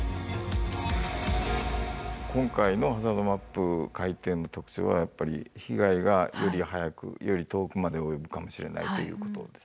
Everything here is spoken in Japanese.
今回のハザードマップ改定の特徴はやっぱり被害がより早くより遠くまで及ぶかもしれないということです。